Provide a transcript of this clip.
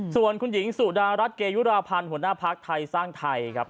ส่วนคุณหญิงสุดารัฐเกยุราพันธ์หัวหน้าภักดิ์ไทยสร้างไทยครับ